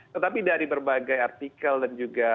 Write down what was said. tetapi dari berbagai artikel dan juga